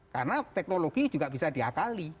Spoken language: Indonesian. karena teknologi juga bisa diakali